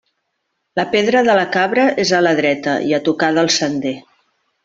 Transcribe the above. La Pedra de la Cabra és a la dreta i a tocar del sender.